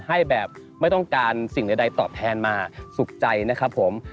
ให้แบบไม่ต้องการสิ่งใดตอบแทนมาสุขใจนะครับผม